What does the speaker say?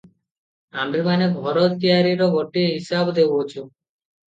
ଆମ୍ଭେମାନେ ଘର ତୟାରିର ଗୋଟିଏ ହିସାବ ଦେଉଅଛୁ